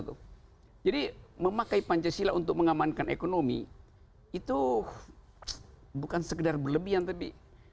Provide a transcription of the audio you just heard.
tuh jadi memakai pancasila untuk mengamankan ekonomi itu bukan sekedar berlebihan tapi